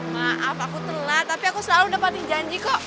maaf aku telat tapi aku selalu dapetin janji kok